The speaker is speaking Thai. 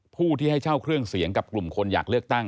ผู้ที่ให้เช่าเครื่องเสียงกับกลุ่มคนอยากเลือกตั้ง